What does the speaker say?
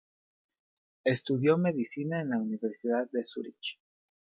Estudió Medicina en la Universidad de Zúrich.